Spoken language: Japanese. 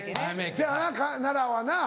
せやな奈良はな。